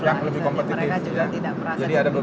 jadi mereka juga tidak merasa diperlukan